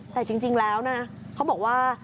แต่จริงแล้วนะเขาบอกว่า